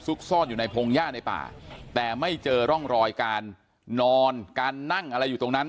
ซ่อนอยู่ในพงหญ้าในป่าแต่ไม่เจอร่องรอยการนอนการนั่งอะไรอยู่ตรงนั้น